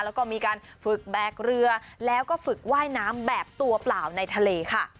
แล้วก็มีการฝึกแบกเรือแล้วก็ฝึกว่ายน้ำแบบตัวเปล่าในทะเลค่ะ